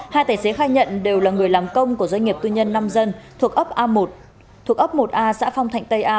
hai tài xế khai nhận đều là người làm công của doanh nghiệp tuyên nhân năm dân thuộc ấp một a xã phong thạnh tây a